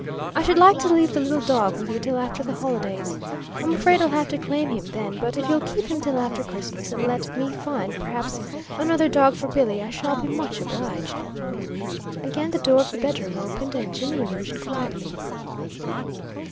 I should like to leave the little dog with you till after the holidays. I'm afraid I'll have to claim him then; but if you'll keep him till after Christmas and let me find, perhaps, another dog for Billy I shall be much obliged." Again the door of the bedroom opened, and Jimmy emerged quietly.